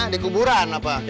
di kuburan apa